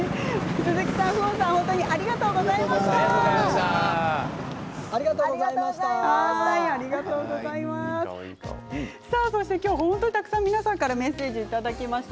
鈴木さん、フオンさんありがとうございました。